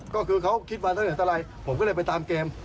ก็คือเขาคิดมาเท่าไหร่ผมก็เลยไปตามเกม